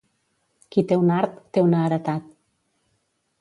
Qui té un art, té una heretat.